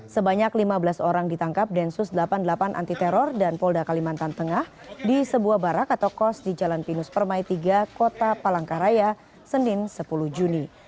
sebanyak lima belas orang ditangkap densus delapan puluh delapan anti teror dan polda kalimantan tengah di sebuah barak atau kos di jalan pinus permai tiga kota palangkaraya senin sepuluh juni